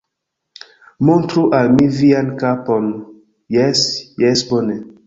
Montru al mi vian kapon. Jes, jes, bone